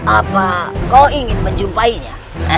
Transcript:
apa kau ingin menjumpainya